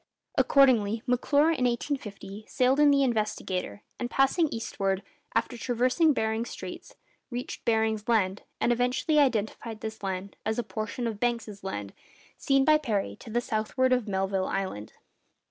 Accordingly, M'Clure, in 1850, sailed in the 'Investigator,' and passing eastward, after traversing Behring's Straits, reached Baring's Land, and eventually identified this land as a portion of Banks' Land, seen by Parry to the southward of Melville Island.